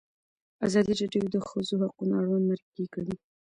ازادي راډیو د د ښځو حقونه اړوند مرکې کړي.